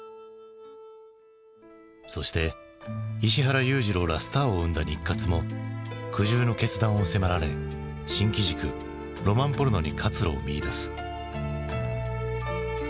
そして石原裕次郎らスターを生んだ日活も苦渋の決断を迫られ新機軸ロマンポルノに活路を見いだす。